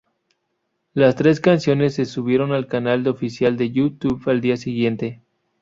Las tres canciones se subieron al canal oficial de Youtube al día siguiente.